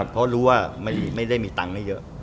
เพราะรู้ว่าไม่ได้มีตังค์ได้เยอะ